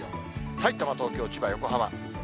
さいたま、東京、千葉、横浜。